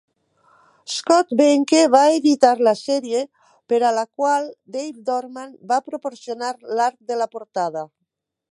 Scott Behnke va editar la sèrie, per a la qual Dave Dorman va proporcionar l'art de la portada.